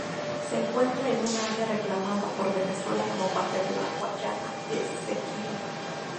Se encuentra en un área reclamada por Venezuela como parte de la Guayana Esequiba.